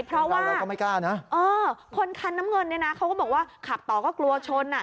เพราะว่าคนคันน้ำเงินเขาก็บอกว่าขับต่อก็กลัวชน